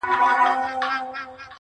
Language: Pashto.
نجلۍ ګلسوم له درد سره مخ,